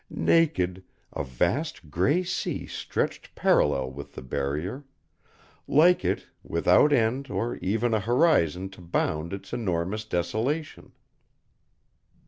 Naked, a vast gray sea stretched parallel with the Barrier; like it, without end or even a horizon to bound its enormous desolation.